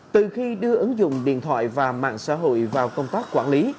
từ khi đưa ứng dụng điện thoại và mạng xã hội vào công tác quản lý